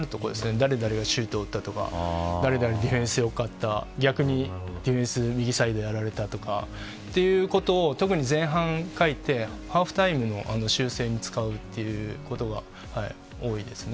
誰がシュートを打ったとか誰のディフェンスがよかったとか逆に、ディフェンス右サイドやられたとか、そういうことを特に前半書いてハーフタイムの修正に使うということが多いですね。